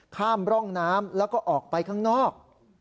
ข้ามร่องน้ำแล้วก็ออกไปข้างนอก